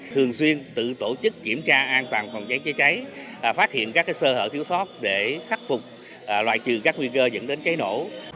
thường xuyên tự tổ chức kiểm tra an toàn phòng chống cháy cháy phát hiện các sơ hợp thiếu sóc để khắc phục loại trừ các nguy cơ dẫn đến cháy nổ